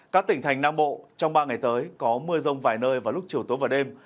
các tỉnh thành nam bộ trong ba ngày tới có mưa rông vài nơi vào lúc chiều tối và đêm